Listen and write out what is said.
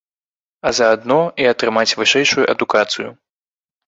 А заадно і атрымаць вышэйшую адукацыю.